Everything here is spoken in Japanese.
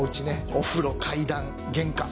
お風呂、階段、玄関。